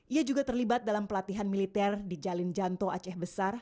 dua ribu sepuluh ia juga terlibat dalam pelatihan militer di jalin janto aceh besar